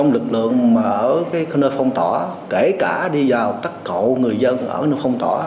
lực lượng ở nơi phong tỏa kể cả đi vào tắc cậu người dân ở nơi phong tỏa